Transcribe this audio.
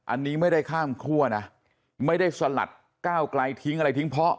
อันนี้ไม่ได้ข้ามคั่วนะไม่ได้สลัดก้าวไกลทิ้งอะไรทิ้งเพราะ